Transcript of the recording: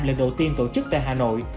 lần đầu tiên tổ chức tại hà nội